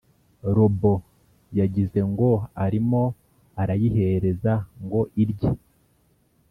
Lobo yagize ngo arimo arayihereza ngo irye